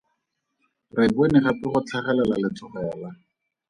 Re bone gape go tlhagelela letlhogela.